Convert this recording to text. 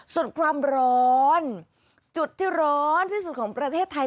ส่วนความร้อนจุดที่ร้อนที่สุดของประเทศไทย